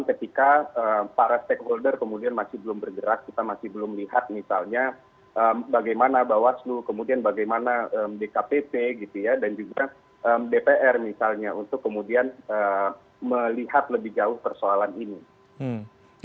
bagaimana bawaslu kemudian bagaimana dkpp gitu ya dan juga dpr misalnya untuk kemudian melihat lebih jauh persoalan ini